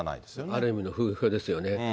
ある意味風評ですよね。